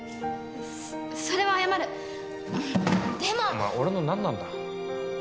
お前俺の何なんだ？